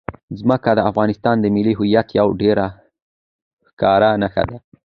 ځمکه د افغانستان د ملي هویت یوه ډېره ښکاره نښه ده.